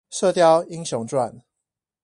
射鵰英雄傳